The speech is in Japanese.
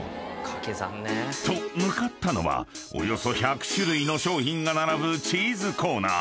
［と向かったのはおよそ１００種類の商品が並ぶチーズコーナー。